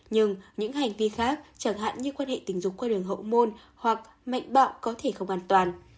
nhưng những hành vi khác chẳng hạn như quan hệ tình dục qua đường hậu môn hoặc mạnh bạo có thể không an toàn